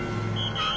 ああ！